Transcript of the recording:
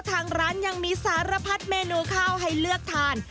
ทางร้านยังมีสารพัดเมนูข้าวให้เลือกทาน